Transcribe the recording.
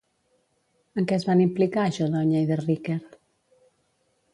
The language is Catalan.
En què es van implicar Jodogne i de Riquer?